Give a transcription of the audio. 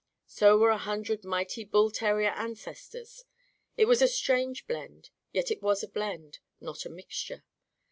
So were a hundred mighty bull terrier ancestors. It was a strange blend. Yet it was a blend; not a mixture.